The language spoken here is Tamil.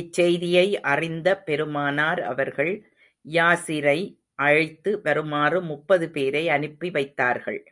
இச்செய்தியை அறிந்த பெருமானார் அவர்கள், யாஸிரை அழைத்து வருமாறு முப்பது பேரை அனுப்பி வைத்தார்கள்.